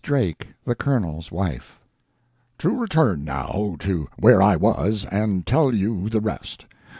DRAKE, THE COLONEL'S WIFE TO return, now, to where I was, and tell you the rest.